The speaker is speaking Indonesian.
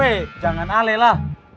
weh jangan ale lah